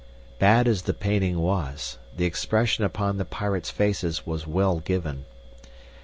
Bad as the painting was, the expression upon the pirates' faces was well given.